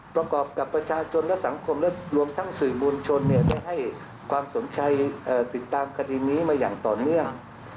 ประกอบกับประชาชนและสังคมและรวมทั้งสื่อมวลชนได้ให้ความสนใจติดตามคดีนี้มาอย่างต่อเนื่อง